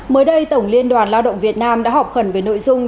mới đây tổng liên đoàn lao động việt nam đã họp khẩn về nội dung